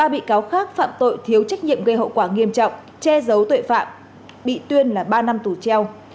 ba bị cáo khác phạm tội thiếu trách nhiệm gây hậu quả nghiêm trọng che giấu tội phạm bị tuyên là ba năm tù treo